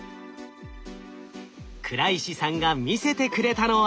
倉石さんが見せてくれたのは。